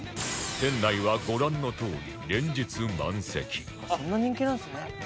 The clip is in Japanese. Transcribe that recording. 店内はご覧のとおりそんな人気なんですね。